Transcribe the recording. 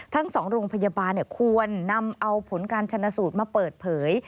ทั้ง๒โรงพยาบาลควรนำเอาผลการชนะสูตรมาเปิดเผย